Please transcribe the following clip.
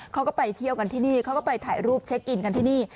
เขาก็ไปเที่ยวกันที่นี่เขาก็ไปถ่ายรูปเช็คอินกันที่นี่